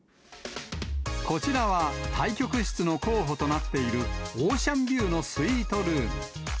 こちらは、対局室の候補となっている、オーシャンビューのスイートルーム。